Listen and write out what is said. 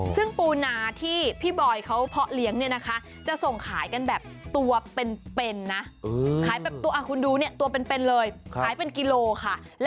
ซึ่งปูนาที่พี่บอยเขาเพาะเลี้ยงเนี่ยนะคะจะส่งขายกันแบบตัวเป็นนะ